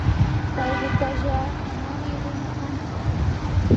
Kaykutallami rina kanchik